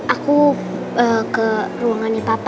aku ke ruangannya papa